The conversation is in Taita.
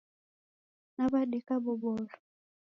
Naw'adeka boboro.